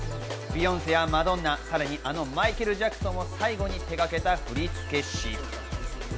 ビヨンセやマドンナ、さらにあのマイケル・ジャクソンを最後に手がけた振付師。